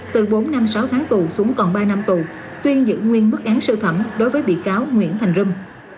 từ bốn năm sáu tháng tù xuống còn ba năm tù tuyên giữ nguyên bức án sơ thẩm đối với bị cáo nguyễn thành râm